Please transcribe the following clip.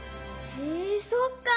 へえそっか！